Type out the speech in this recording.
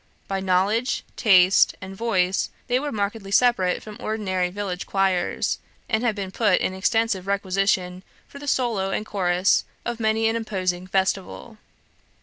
By knowledge, taste, and voice, they were markedly separate from ordinary village choirs, and have been put in extensive requisition for the solo and chorus of many an imposing festival.